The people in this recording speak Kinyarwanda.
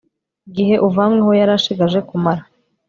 igihe uvanyweho yari ashigaje kumara